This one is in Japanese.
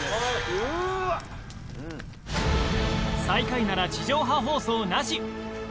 最下位なら地上波放送なし！